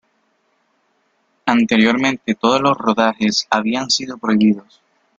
Anteriormente todos los rodajes habían sido prohibidos.